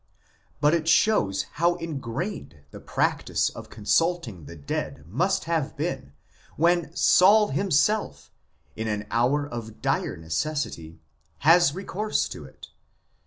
But it shows how ingrained the practice of consulting the dead must have been when Saul himself, in an hour of dire necessity, has recourse to it.